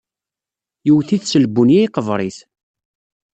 Yewwet-it s lbunya iqebeṛ-it!